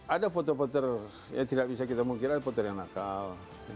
ada fotopoter yang tidak bisa kita mengkira foter yang nakal